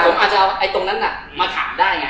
ใช่ผมอาจจะเอาตรงนั้นน่ะมาถามได้ไง